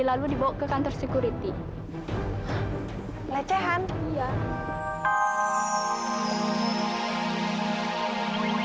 jadi lalu dibawa ke kantor sekuriti pelecehan iya